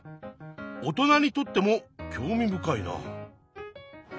大人にとっても興味深いなあ。